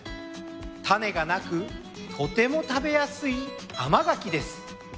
種がなくとても食べやすい甘柿です。